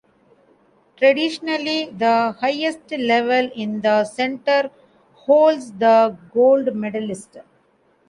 Traditionally, the highest level in the center holds the gold medalist.